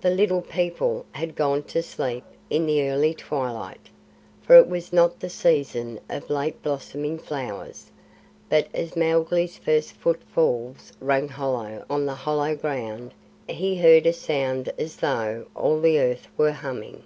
The Little People had gone to sleep in the early twilight, for it was not the season of late blossoming flowers; but as Mowgli's first foot falls rang hollow on the hollow ground he heard a sound as though all the earth were humming.